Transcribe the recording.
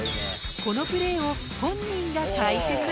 このプレーを、本人が解説。